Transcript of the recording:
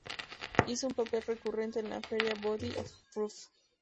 Hizo un papel recurrente en la serie "Body of Proof".